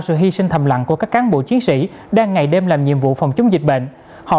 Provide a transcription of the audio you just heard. sự hy sinh thầm lặng của các cán bộ chiến sĩ đang ngày đêm làm nhiệm vụ phòng chống dịch bệnh họ